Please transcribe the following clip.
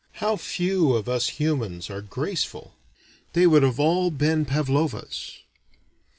How few of us humans are graceful. They would have all been Pavlowas.